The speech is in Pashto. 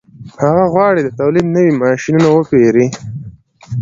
هغه غواړي د تولید نوي ماشینونه وپېري